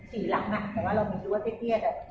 หรือเป็นอะไรที่คุณต้องการให้ดู